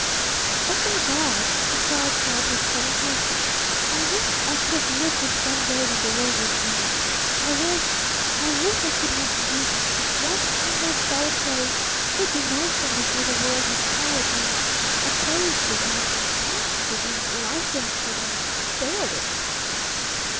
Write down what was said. "Oh, my God!" she cried out with sudden passion. "I wish I could have lived just one day when the world was new. I wish I wish I could have reaped just one single, solitary, big Emotion before the world had caught it and appraised it and taxed it and licensed it and staled it!"